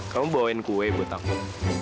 kamu bawain kue buat aku